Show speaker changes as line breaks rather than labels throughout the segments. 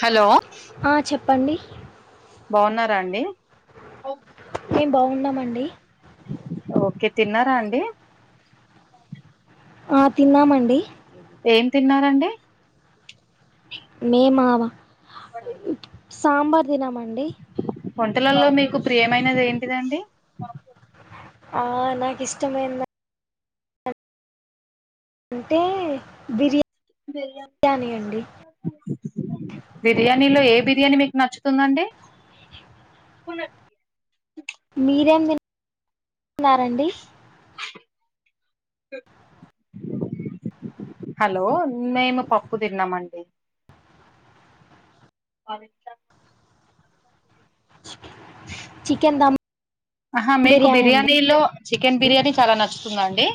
Hello
ఆ, చెప్పండి
బాగున్నారా అండి
మేం బాగున్నామండి
ఓకే తిన్నారా అండి
ఆ తిన్నామండి
ఏం తిన్నారండి
మేమా సాంబార్ తినమండి
పంటలల్లో మీకు ప్రియమైనది ఏంటిదండి
ఆ నాకు ఇష్టమైంది అంటే బిర్యా
బ బిర్యాని ి లో ఏ బిర్యానీ మీకు నచ్చుతుందండి
మీరేం తున్నారండి
హలో మేము పప్పు తిన్నామండి అ
చికెన్ దమ్
ఆహా మీకు
బిర్యానీ అండి
బిర్యానీలో చికెన్ బిర్యానీ చాలా నచ్చుతుందండి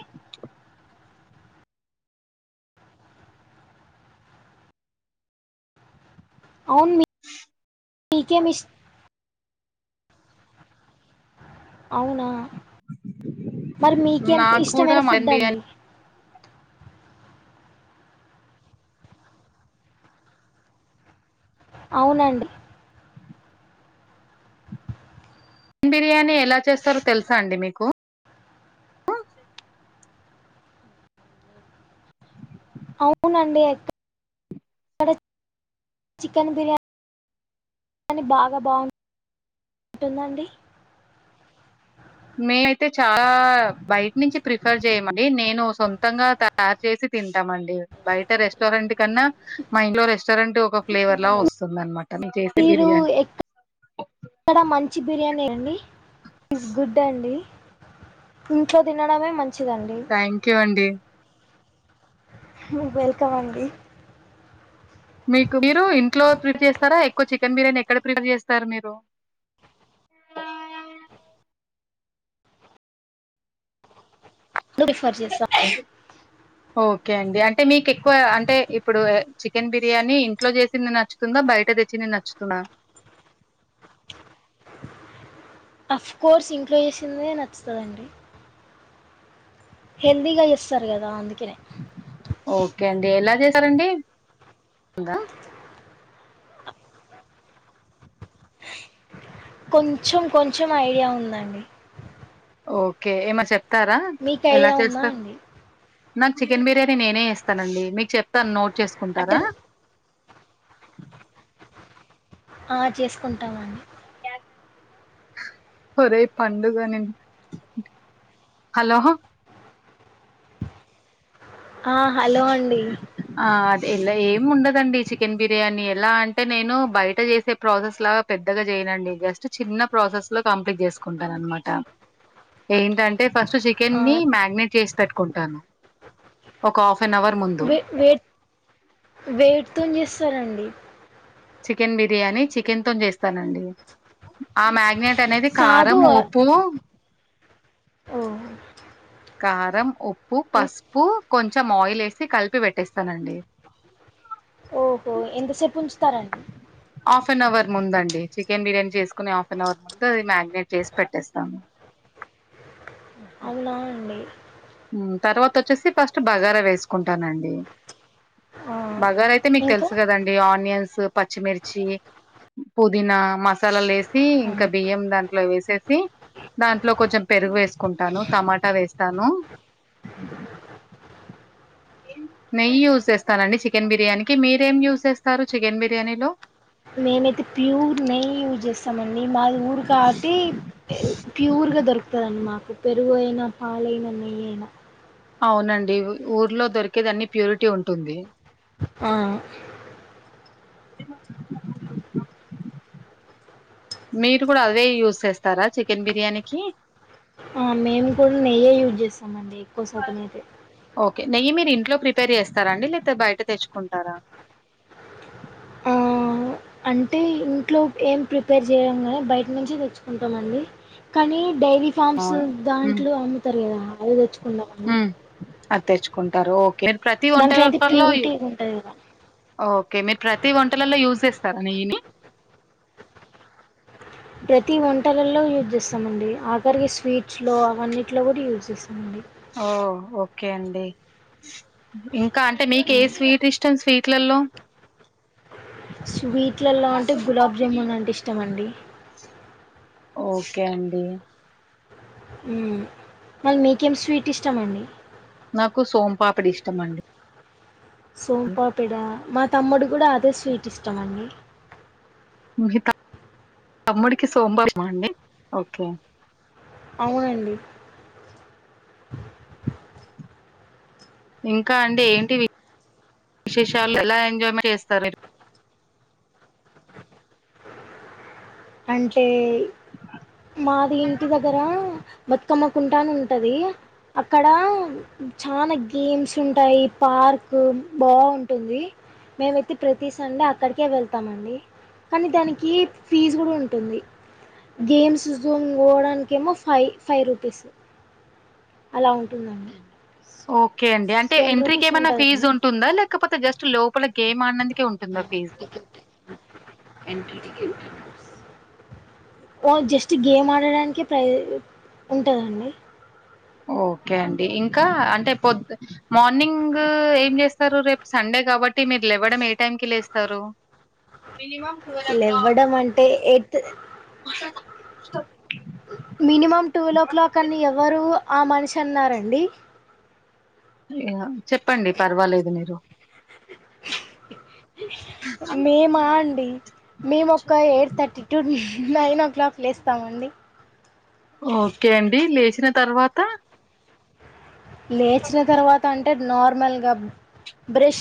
అవున్
హ
ఇకే మిస్ అవునా మరి మీకేం
నాకు కూడా
ఇష్టమైన
మటన్
ఫుడ్ అండి
బిర్యానీ
అవునండి
బిర్యానీ ఎలా చేస్తారో తెలుసా అండి మీకు
అవునండి ఎక్కడ చికెన్ బిర్యా నీ బాగా బాగు ఉంటుందండి
మేమైతే చాలా బయట నుంచి ప్రిఫర్ చేయమండి నేను సొంతంగా తయారు చేసి తింటామండి బయట రెస్టారెంట్ కన్నా మా ఇంట్లో రేస్ సరంటే ఒక ఫ్లేవర్ లా వస్తుంది అనమాట నేన్ చేస్తె బిర్యానీ
డ మంచి బిర్యానీయ అండి స్ గుడ్ అండి ఇంట్లో తినడమే మం
థాంక్ యూ అండి
మీక్ దొరకదండీ అండి
మీకు మీరు ఇంట్లో ప్రిఫేర్ చేస్తారా ఎక్కువ చికెన్ బిర్యానీ ఎక్కడ ప్రిఫేర్ చేస్తారు మీరు ఆ [inaudible]
ప్రిఫర్ చేస్తా
ఓకే అండి అంటే మీకు ఎక్కువ అంటే ఇప్పుడు చికెన్ బిర్యానీ ఇంట్లో చేసింది నచ్చుతుంద బయట తెచ్చింది నచ్చుతుందా
అఫ్ కోర్స్ ఇంట్లో చేసిందే నచ్చుతాదండి హెల్దీగా చేస్తారు కదా అందుకనే
ఓకే అండి ఎలా చేసారండి గా
కొంచెం కొంచెం ఐడియా ఉందండి
ఓకే ఏమ చెప్తారా
మీకు
ఎలా
ఐడియా ఉందా
చేస్తార్
అండి
నాకు చికెన్ బిర్యానీ నేనే ఇస్తానండి మీకు చెప్తాను నోట్
అంటే
చేసుకుంటారా
ఆ చేసుకుంటామ అండి
ఒరే పండుగ నిన్ హలో
ఆ హలో అండి
ఇలా ఏం ఉండదండి చికెన్ బిర్యానీ ఎలా అంటే నేను బయట చేసే ప్రాసెస్ లాగా పెద్దగా చే ండి జస్ట్ చిన్న ప్రాసెస్ లో కంప్లీట్ చేసుకుంటాన అనమాట ఏంటంటే ఫస్ట్ చికెన్
ఆ
ని మ్యారినేట్ చేసి పెట్టుకుంటాను. ఒక హాఫ్ అన్ అవర్ ముందు.
వే వే వేట్తోన్ చేస్తారండి.
చికెన్ బిర్యానీ చికెన్ తోన్ చేస్తానండి ఆ మ్యారినేట్ నేట్ అనేది
కాదు
కారం
ఆ-
ఉప్పు
ఓ
కారం ఉప్పు పసుపు కొంచెం ఆయిల్ వేసి కలిపి పెట్టేస్తానండి. [unintelligible]
ఓహో ఎంతసేపు ఉంచుతారండి
హాఫ్ అన్ అవర్ ముంద అండి చికెన్ బిర్యానీ చేసుకుని హాఫ్ అన్ అవర్ ముందు అది మ్యారినేట్ చేసి పెట్టేస్తాము. [unintelligible]
అవునా అండి
ఉమ్ తర్వాత వచ్చేసి ఫస్ట్ బగారా వేసుకుంటానండి
ఆ
బగార అయితే మీకు
ఇంకా
తెలుసు కదండి ఆనియన్స్ పచ్చిమిర్చి పుదీనా మసాలాలు ఎసి ఇంకా బియ్యం దాంట్లో వేసేసి దాంట్లో కొంచెం పెరుగు వేసుకుంటాను తమాటా వేస్తాను. [unintelligible] నెయ్యి యూజ్ చేస్తానండి చికెన్ బిర్యానీకి మీరేం యూజ్ చేస్తారు చికెన్ బిర్యానీలో
మేముతే ప్యూర్ నెయ్యి యూస్ చేస్తా మడి మాది ఊరి కా ఆటిే ప్యూర్గా దొరుకుతుందండి మాకు పప్పు పెరుగు అయినా పాలైనా నెయ్యి అయినా
అవునండి ఊర్లో దొరికేది అన్ని ప్యూరిటీ ఉంటుంది.
ఆ
[unintelligible] మీరు కూడా అవే యూస్్ చేస్తారా చికెన్ బిర్యానీకి
మేము కూడా నెయ్యే యూజ్ చేస్తామండి ఎక్కువ శాతం అయితే
ఓకే నెయ్యి మీరు ఇంట్లో ప్రిపేర్ చేస్తారాండి లే బయట తెచ్చుకుంటారా
ఆ, అంటే ఇంట్లో ఏం ప్రిపేర్ చేయంగా బయట నుంచి తెచ్చుకుంటామ అండి కానీ డైరీ ఫామ్స్
అవును. హ్మ్.
దాంట్లో అమ్ముతారు కదా అవి తెచ్చుకుందామని
హ్మ్. అది తెచ్చుకుంటారు ఓకే ప్రతి
దాంట్లో అయితే
వంటకాల్లో
ప్యూరిటీ ఉంటుంది కదా
ఓకే మీరు ప్రతి వంటలలో యూస్్ చేస్తార నెయ్యి నీ
ప్రతి వంటలలో యూజ్ చేస్తామండి ఆఖరికి స్వీట్స్ లో అవన్నీ ఫ్లోవర్ యూజ్ చేస్తుంది
ఓ ఓకే అండి ఇంకా అంటే మీకు ఏ స్వీట్ ఇష్టం స్వీట్లలో
స్వీట్లలో అంటే గులాబ్ జాముూన్ అంటే ఇష్టమ అండి
ఓకే అండి
మ్మ్. మళ్ళీ మీకేం స్వీట్ ఇష్టమ అండి
నాకు సోమ్పాపడి ఇష్టం అండి
సోంపాపిడ మా తమ్ముడు కూడా అదే స్వీట్ ఇష్టం అండి
మీ తమ్ముడికి సోమవారం అండి ఓకే
అవునండి
ఇంకా అంటే ఏంటి విశేషాలు ఎలా ఎంజాయ్మెంట్ చేస్తారు
అంటే మాది ఇంటి దగ్గర బతుకమ్మకుంటాను ఉంటది అక్కడ చానాా గేమ్స్ ఉంటాయి పార్క్ బాంటుంది మేమైతే ప్రతి సండ అక్కడికే వెళ్తామ అండి కానీ దానికి ఫీజ కూడా ఉంటుంది గేమ్స్ జోన్ పోవడానికి ఏమో ఫైవ్ ఫైవ్ రూపీస్ అలా ఉంటుందండి
ఓకే అండి అంటే
టెన్
ఎంట్రీకి
రూపీస్
ఏమైనా ఫీజు
ఉంటుందండి
ఉంటుందా లేకపోతే జస్ట్ లోపల గేమ్ ఆనది ే ఉంటుందా ఫీజు
న్స్ ఓ జస్ట్ గేమ్ ఆడడానికే ప్రై ఉంటుందండి
ఓకే అండి ఇంకా అంటే పొద్ మార్నింగ్ ఏం చేస్తారు రేపు సండే కాబట్టి మీరులు ఇవ్వడం ఏ టైం కి లేస్తారు
లేవ్వడం అంటే ఎత్ మినిమం ట్వెల్వ్ ఓ క్లాక్ అని ఎవరు ఆ మనిషి అన్నారంండి
చెప్పండి పర్వాలేదు మీరు
మేము అండి మేము ఒక eight thirty to nine o'clock లేస్తామండి
ఓకే అండి లేచిన తర్వాత
లేచిన తర్వాత అంటే నార్మల్గా బ్రష్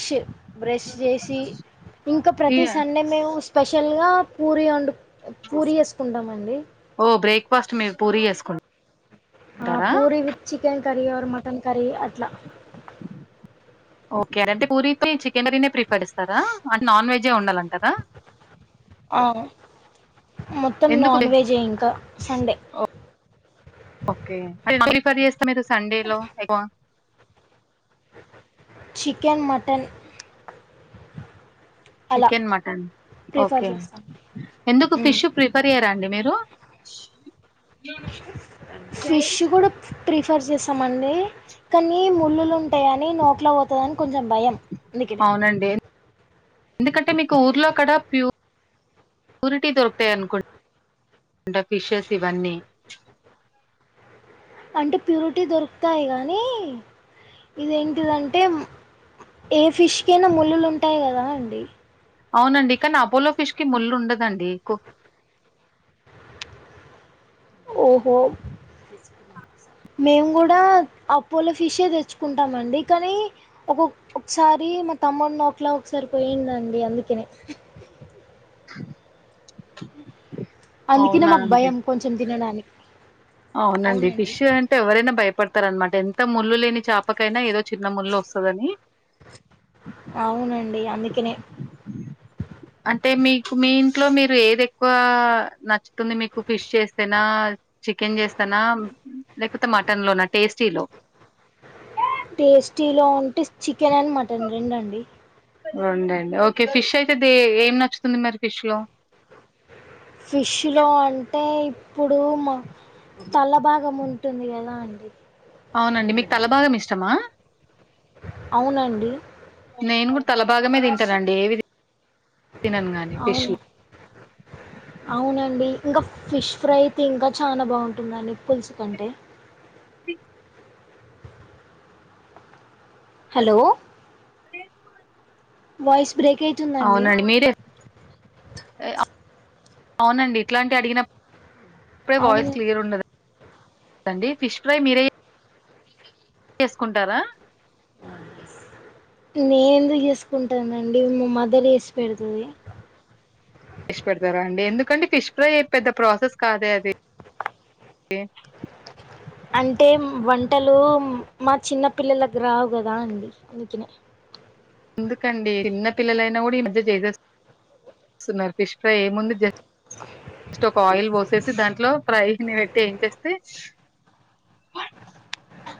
బ్రష్ చేసి ఇంకా ప్రతి
ఇగ
సండే మేము స్పెషల్ గా పూరి వండు పూరి వేసుకుంటామండి
ఫస్ట్ మీేము పూరి చేసుకుంటాం
ఆ puri with chicken curry or mutton curry అట్లా
ఓకే అంటే పూరి కి చికెన్ ర్రీనే ప్రిఫర్ చేస్తారా అంటే నాన్ వెజ్జే ఉండాలంటదా
ఆవు మొత్తం
ఎందుకు బె
నాన్ వెజే ఇంకా సండే
కర్రీ చేస్తాం ఏదో సండే లో ఏదో
చికెన్ మటన్ అలా
చికెన్ మటన్
ప్రిఫర్
ఓకే
చేస్తాం
ఎందుకు ఫిష్ ప్రిఫర్ అయ్యారా అండి మీరు
ఫీష కూడాడు ప్రిఫర్ చేస్తామండి కానీ ముళ్ళులు ఉంటాయని నోట్లో పోతదని కొంచెం భయం దుకనే
అవునండి. ఎందుకంటే మీకు ఊర్లో కడ ప్యూ రిటీ దొరుకుతాయనుకుంట ఫిషెస్ ఇవన్నీ అ
అంటే ప్యూరిటీ దొరుకుతాయి కానీ ఇదిేంటిదంటే మ్ ఏ ఫిష్కైయినా ముళ్ళులు ఉంటాయి కదా అండి
అవునండి కానీ అపోలో ఫిష్ కి ముళ్ళు ఉండదండి కు
ఓహో
అవున
మేము కూడా అపోలో ఫిషె తెచ్చుకుంటామ అండి కానీ ఒకొ ఒకసారి మా తమ్మను నోట్లా ఒకసారిపోయిందండి అందుకనే
[inaudible]
అందుకనే
అవునా
మాకు
అండి
భయం కొంచెం తినడానికి
అవునండి ఫిష్ అంటే ఎవరైనా భయపడుత తారు అనమాట ఎంత ముళ్ళు లేని చేపకైనా ఏదో చిన్న ముళ్ళు వస్తదని
అవునండి అందుకనే
అంటే మీ మీకు ఇంట్లో మీరు ఏది ఎక్కువ నచ్చుతుంది మీకు ఫిష్ చేస్తేనా చికెన్ చేస్తా నా లేకపోతే మటన్ లో టేస్టీ లో
టేస్టీ లో ఉంటే చికెన్ అండ్ మటన్ రెండండి
రొండండి ఓకే ఫిష్ అయితే దే ఏం నచ్చుతుంది మరి ఫిష్ లో
ఫిష్ లో అంటే ఇప్పుడు మా తల్ల భాగం ఉంటుంది కదా అండి
అవునండి మీకు తలభాగం ఇష్టమా
అవునండి
నేను కూడా తలభాగమే తింటానండి ఏవి తినను గాని ఫిష్
అవును అవునండి ఇంకా ఫిష్ ఫ్రై తే ఇంకా చాలా బాగుంటుందండి పులుసు కంటే హలో వాయిస్ బ్రేక్ అయితుందండి
ఏ ఆ అవునండి ఇట్లాంటి అడిగినప్పు ప్పుడే వాయిస్
అవును
క్లియర్ ఉండదు దండి ఫిష్ ఫ్రై మీరే చేసుకుంటారా
అ బస్ నేను ఎందుకు చేసుకుంటానండి మా మదర్ చేసి పెడుతది
చేస్ పెడతారా అండి ఎందుకు ఎందుకండి ఫిష్ ఫ్రై పెద్ద ప్రాసెస్ కాదే అది
అంటే వంటలు మా చిన్న పిల్లలకి రావు కదా అండి అందుకనే
ఎందుకండి చిన్న పిల్లలైనా కూడా ఈ మధ్య చేసేస్తున్నారు ఫిష్ ఫ్రై ఏముంది జ స్ట్ ఒక ఆయిల్ పోసేసి దాంట్లో ఫ్రై ని పెట్టి ఎన్చేస్తే ఆ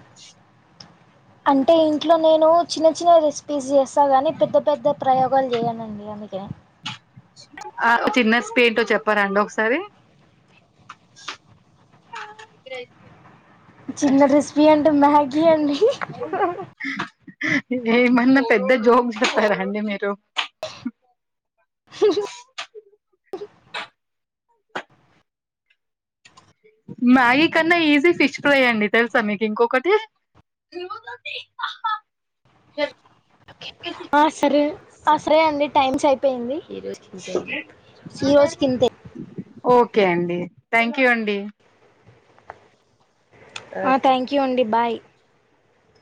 అంటే ఇంట్లో నేను చిన్న చిన్న రెసిపీస్ చేస్తాను ని పెద్ద పెద్ద ప్రయోగాలు చేయనండి అందుకే
ఆ చిన్న స్పయింటో చెప్పారాండి ఒకసారి గ్రజట్
చిన్న క్రిస్పీ అండి మ్యాగ అండి
ఏమన్నా పెద్ద జోక్ చెప్పారాండి మీరు
హ
మ్యాగీ కన్నా ఈజీ ఫిష్ ఫ్రై అండి తెలుసా మీకు ఇంకొకటి ర
ఆ సరే ఆ సరే అండి టైమ్స్ అయిపోయింది హరోజ్ కంద హీరోజ్కిింద
ఓకే అండి థ్యాంక్ యూ అండి
ఆ థ్యాంక్ యూ అండి బాయ్